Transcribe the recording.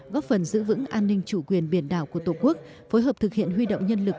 góp phần giữ vững an ninh chủ quyền biển đảo của tổ quốc phối hợp thực hiện huy động nhân lực